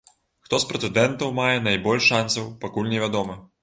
Хто з прэтэндэнтаў мае найбольш шанцаў, пакуль невядома.